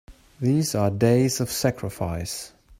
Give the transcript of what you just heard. These are days of sacrifice!